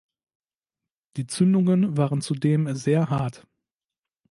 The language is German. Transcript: Die Zündungen waren zudem sehr hart.